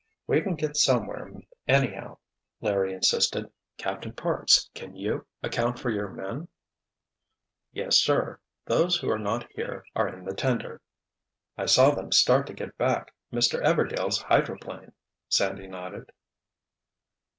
"We can get somewhere, anyhow," Larry insisted. "Captain Parks, can you account for your men?" "Yes, sir. Those who are not here are in the tender." "I saw them start to get back Mr. Everdail's hydroplane," Sandy nodded.